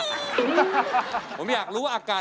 ฟงเหมือนพี่ไหมที่แบบว่า